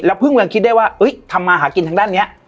แล้วพึ่งกันคิดได้ว่าเฮ้ยทำมาหากินทางด้านนี้